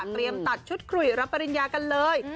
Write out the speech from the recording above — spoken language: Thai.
เตรียมตัดชุดขุยรับปริญญากันเลย